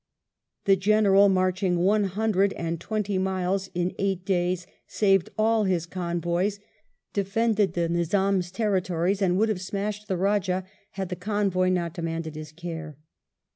The General, marching one hundred and twenty miles in eight days, saved all his convoys, defended the Nizam's Ill BATTLE OF ARGAUM 79 territories, and would have smashed the Eajah had the convoy not demanded his care.